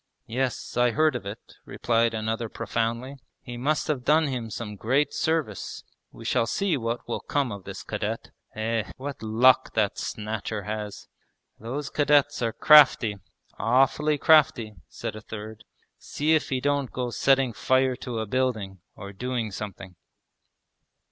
...' 'Yes, I heard of it,' replied another profoundly, 'he must have done him some great service. We shall see what will come of this cadet. Eh! what luck that Snatcher has!' 'Those cadets are crafty, awfully crafty,' said a third. 'See if he don't go setting fire to a building, or doing something!'